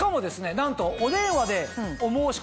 なんと。